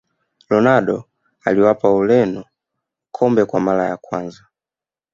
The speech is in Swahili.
ronaldo aliwapa ureno kombe kwa mara ya kwanza